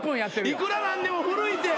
いくら何でも古いって。